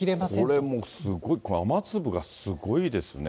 これもすごい、雨粒がすごいですね。